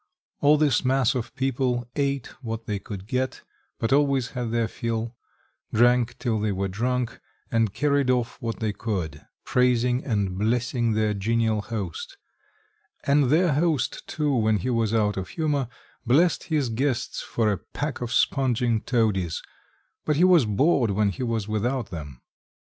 All this mass of people ate what they could get, but always had their fill, drank till they were drunk, and carried off what they could, praising and blessing their genial host; and their host too when he was out humour blessed his guests for a pack of sponging toadies, but he was bored when he was without them.